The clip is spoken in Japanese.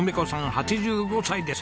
８５歳です。